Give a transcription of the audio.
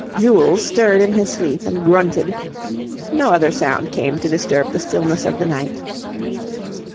Jules stirred in his sleep and grunted. No other sound came to disturb the stillness of the night.